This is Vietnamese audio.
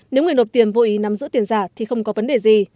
nếu người nộp tiền vô ý nắm giữ tiền giả thì không có vấn đề gì